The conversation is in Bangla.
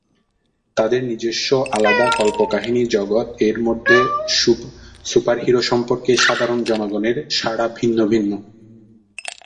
তাদের নিজস্ব আলাদা কল্পকাহিনী জগৎ এর মধ্যে, সুপারহিরো সম্পর্কে সাধারণ জনগণের সাড়া ভিন্ন ভিন্ন।